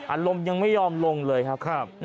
อารมณ์ยังไม่ยอมลงเลยครับ